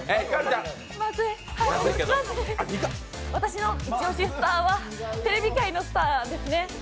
まずい私のイチオシスターはテレビ界のスターです。